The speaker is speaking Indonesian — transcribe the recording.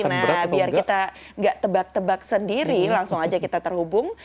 nah biar kita nggak tebak tebak sendiri langsung aja kita terhubung